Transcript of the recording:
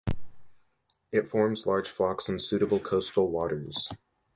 It forms large flocks on suitable coastal waters.